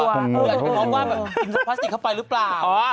มีห้องว่ากินไปพลาสติกหรือเปล่า